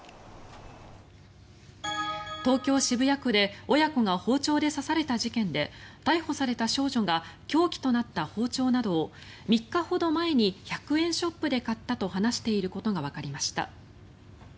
東京・渋谷区で親子が包丁で刺された事件で逮捕された少女が凶器となった包丁などを３日ほど前に１００円ショップで買ったと話していることがわかりました。